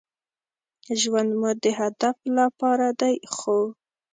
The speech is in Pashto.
ژوند مو د هدف لپاره دی ،خو